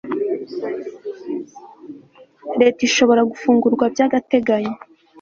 leta ishobora gufungurwa by agateganyo